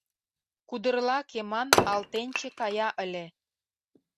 Кудырла кеман алтенче кая ыле.